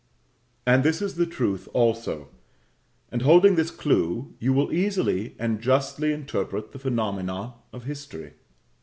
And this is the truth also; and holding this clue you will easily and justly interpret the phenomena of history.